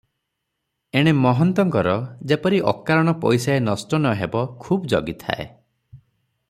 ଏଣେ ମହନ୍ତଙ୍କର ଯେପରି ଅକାରଣ ପଇସାଏ ନଷ୍ଟ ନ ହେବ ଖୁବ୍ ଜଗିଥାଏ ।